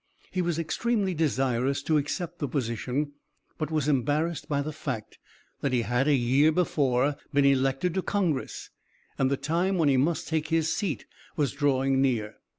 He was extremely desirous to accept the position, but was embarrassed by the fact that he had, a year before, been elected to Congress, and the time when he must take his seat was drawing near.